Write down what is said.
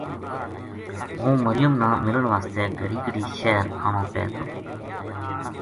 ہوں مریم نا ملن واسطے گھڑی گھڑی شہر آنو پے تھو